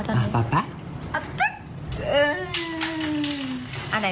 ยา